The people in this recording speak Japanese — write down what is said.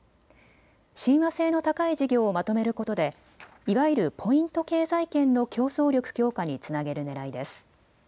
親和性の高い事業をまとめることでいわゆるポイント経済圏の競争力強化につなげるねらいです。